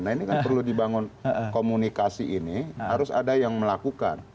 nah ini kan perlu dibangun komunikasi ini harus ada yang melakukan